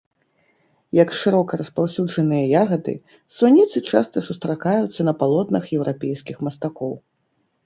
Як шырока распаўсюджаныя ягады, суніцы часта сустракаюцца на палотнах еўрапейскіх мастакоў.